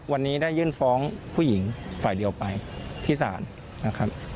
วันนี้ได้ยื่นฟ้องผู้หญิงฝ่ายเดียวไปที่ศาลนะครับ